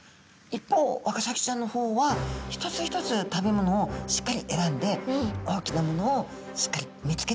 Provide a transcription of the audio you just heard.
一方ワカサギちゃんの方は一つ一つ食べものをしっかり選んで大きなものをしっかり見つけてとらえて食べる。